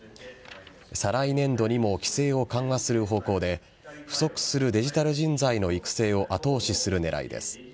再来年度にも規制を緩和する方向で不足するデジタル人材の育成を後押しする狙いです。